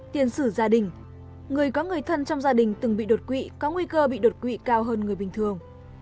tiền sử gia đình người có người thân trong gia đình từng bị đột quỵ có nguy cơ bị đột quỵ cao hơn người bình thường